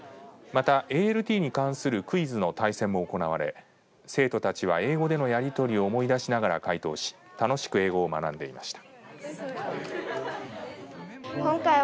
また、ＡＬＴに関するクイズの対戦も行われ生徒たちは英語でのやり取りを思い出しながら回答し楽しく英語を学んでいました。